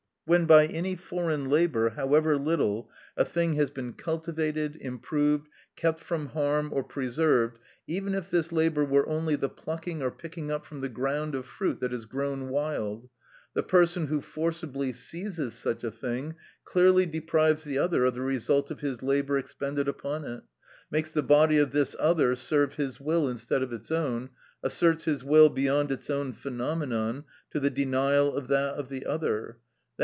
When, by any foreign labour, however little, a thing has been cultivated, improved, kept from harm or preserved, even if this labour were only the plucking or picking up from the ground of fruit that has grown wild; the person who forcibly seizes such a thing clearly deprives the other of the result of his labour expended upon it, makes the body of this other serve his will instead of its own, asserts his will beyond its own phenomenon to the denial of that of the other, _i.